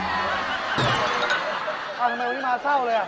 อ่าทำไมวันนี้มาเศร้าเลยอ่ะ